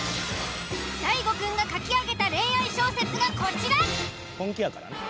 大悟くんが書き上げた恋愛小説がこちら。